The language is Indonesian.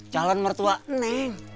calon mertua neng